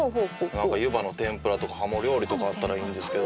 湯葉の天ぷらとかハモ料理とかだったらいいんですけどね。